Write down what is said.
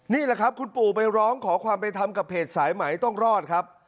นี่แหละครับคุณปู่ไปร้องขอความไปทำกับเพจสายไหมต้องรอดครับ